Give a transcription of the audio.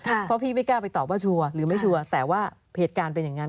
เพราะพี่ไม่กล้าไปตอบว่าชัวร์หรือไม่ชัวร์แต่ว่าเหตุการณ์เป็นอย่างนั้น